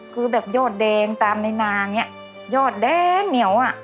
คือแบบยอดแดงตามในนางเนี่ยยอดแดงเหนียวอะ